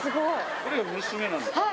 これが娘なんですよ。